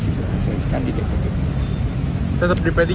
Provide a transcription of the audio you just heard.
saya isikan di dppb tetap di p tiga ya pak